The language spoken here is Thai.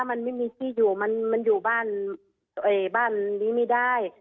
มันไม่มีที่อยู่มันอยู่บ้านบ้านนี้ไม่ได้